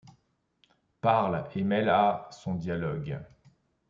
Parle, et mêle à, son dialogue